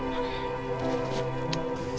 karena kita gak punya bukti